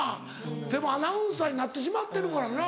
でもアナウンサーになってしまってるからな。